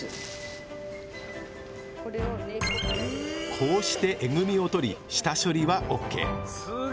こうしてえぐみを取り下処理はＯＫ。